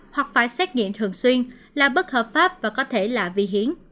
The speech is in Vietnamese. hoặc phải xét nghiệm thường xuyên là bất hợp pháp và có thể là vi hiến